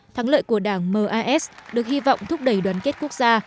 thắng lợi của đảng mas được hy vọng thúc đẩy đoàn kết quốc gia